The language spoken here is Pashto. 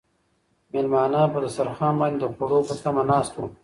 مېلمانه په دسترخوان باندې د خوړو په تمه ناست وو.